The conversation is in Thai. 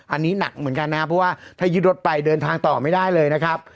อันนี้หนักเหมือนกันนะครับเพราะว่าถ้ายึดรถไปเดินทางต่อไม่ได้เลยนะครับ